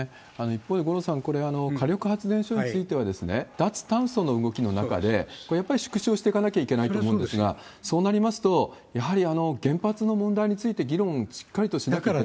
一方で、五郎さん、これ、火力発電所については、脱炭素の動きの中で、これ、やっぱり縮小していかなきゃいけないと思うんですが、そうなりますと、やはり原発の問題について議論をしっかりとしながら。